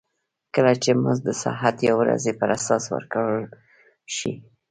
کله چې مزد د ساعت یا ورځې پر اساس ورکړل شي